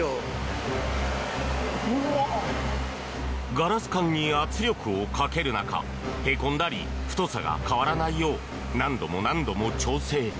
ガラス管に圧力をかける中へこんだり太さが変わらないよう何度も何度も調整。